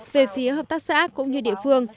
về phía hợp tác xã cũng như địa phương